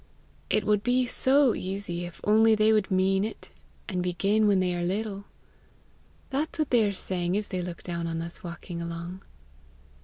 It would be so easy, if only they would mean it, and begin when they are little!' That's what they are saying as they look down on us walking along."